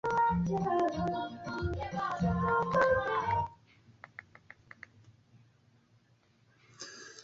kati ya hizo kilometa elfu hamsini na mbili na mia mbili